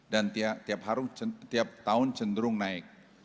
dan tiap tahun cenderung naik